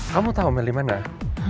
kamu tau mel raymond gak